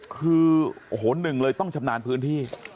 คือโอ้โหหนึ่งเลยต้องชำนาญพื้นที่